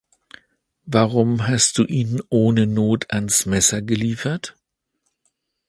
Warum hast du ihn ohne Not ans Messer geliefert?